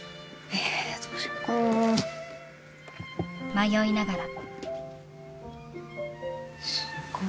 迷いながら。